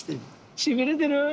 しびれてる？